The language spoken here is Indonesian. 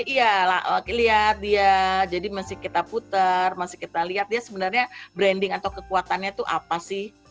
iya lah oke lihat dia jadi masih kita putar masih kita lihat dia sebenarnya branding atau kekuatannya itu apa sih